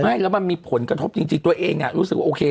ไม่แล้วมันมีผลกระทบจริงตัวเองรู้สึกว่าโอเค